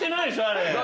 あれ。